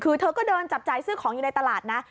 คือเธอก็เดินจับจ่ายซื้อของอยู่ในตลาดนะ